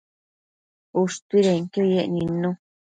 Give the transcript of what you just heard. ushtuidenquio yec nidnu